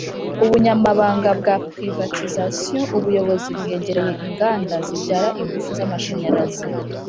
ubunyamabanga bwa privatisation, ubuyobozi bwegereye inganda zibyara ingufu z'amashanyarazi,